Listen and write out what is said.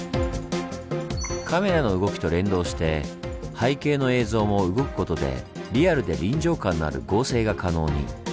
カメラの動きと連動して背景の映像も動くことでリアルで臨場感のある合成が可能に。